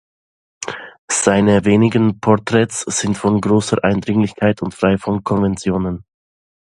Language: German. Seine wenigen Porträts sind von großer Eindringlichkeit und frei von Konventionen.